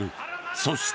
そして。